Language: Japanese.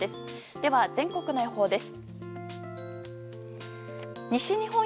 では全国の予報です。